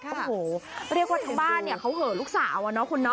โอ้โฮเรียกว่าทั้งบ้านเขาเหลือลูกสาว